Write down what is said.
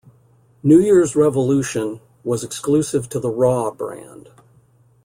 New Year's Revolution was exclusive to the Raw brand.